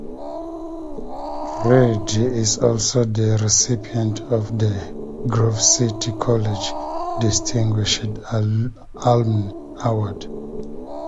Reed is also the recipient of the Grove City College Distinguished Alumni Award.